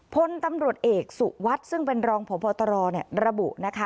พลตำรวจเอกสุวัสดิ์ซึ่งเป็นรองพบตรระบุนะคะ